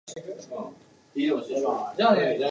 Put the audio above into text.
横浜中華街をぶらつく